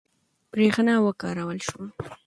برېښنا وکارول شوه.